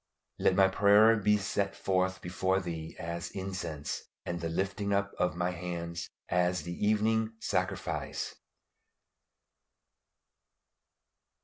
"LET MY PRAYER BE SET FORTH BEFORE THEE AS INCENSE: AND THE LIFTING UP OF MY HANDS AS THE EVENING SACRIFICE."